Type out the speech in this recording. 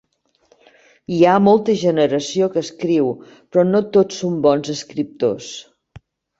Hi ha molta generació que escriu, però no tots són bons escriptors.